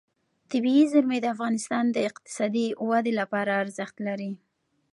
طبیعي زیرمې د افغانستان د اقتصادي ودې لپاره ارزښت لري.